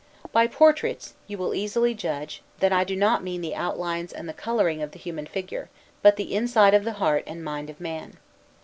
By portraits, you will easily judge, that I do not mean the outlines and the coloring of the human figure; but the inside of the heart and mind of man.